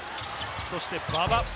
そして馬場。